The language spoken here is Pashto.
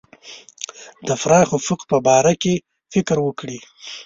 د پراخ افق په باره کې فکر وکړي.